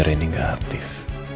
hp randy gak aktif